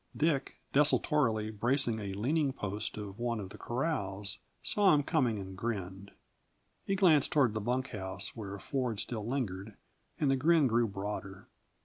Dick, desultorily bracing a leaning post of one of the corrals, saw him coming and grinned. He glanced toward the bunk house, where Ford still lingered, and the grin grew broader.